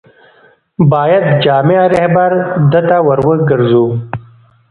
باید جامع رهبرد ته ور وګرځو.